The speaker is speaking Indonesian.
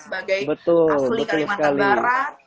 sebagai asli kalimantan barat